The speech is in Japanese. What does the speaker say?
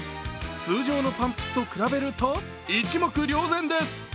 通常のパンプスと比べると一目瞭然です。